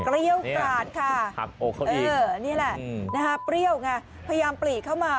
เปรี้ยวกราดค่ะเออนี่แหละเปรี้ยวไงพยายามปลี่เข้ามา